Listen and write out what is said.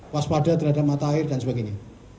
pas pada terhadap matahari dan sebagainya